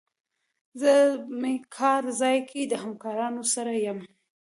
زه مې کار ځای کې همکارانو سره یم.